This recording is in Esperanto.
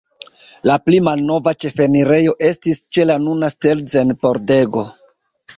La pli malnova ĉefenirejo estis ĉe la nuna Stelzen-pordego.